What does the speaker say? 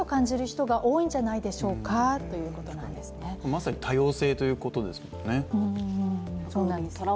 まさに多様性ということですよね。